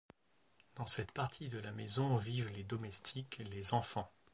Dans cette partie de la maison vivent les domestiques, les enfants.